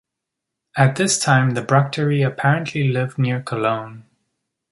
At this time the Bructeri apparently lived near Cologne.